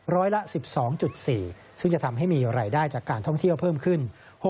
ร้อยละ๑๒๔ซึ่งจะทำให้มีรายได้จากการท่องเที่ยวเพิ่มขึ้น